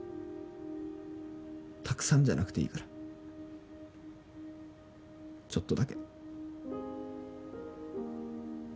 たくさんじゃなくていいからちょっとだけ。